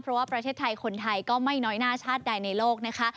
เพราะว่าประเทศไทยคนไทยก็ไม่น้อยหน้าชาติใดในโลกนะคะ